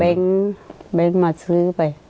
แล้วก็แบงค์มาซื้อไป